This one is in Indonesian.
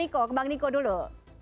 ke bang niko dulu